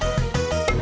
ya ada tiga orang